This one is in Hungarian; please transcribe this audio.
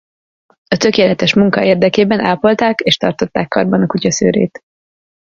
A tökéletes munka érdekében ápolták és tartották karban a kutya szőrét.